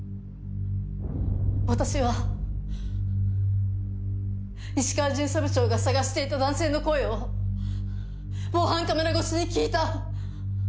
私は石川巡査部長が捜していた男性の声を防犯カメラ越しに聞いた。